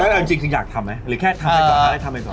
ตอนนั้นจริงคุณอยากทำไหมหรือแค่ทำไปก่อน